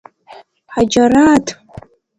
Ҳаџьара-аҭ!